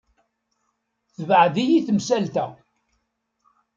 Tebɛed-iyi temsalt-a.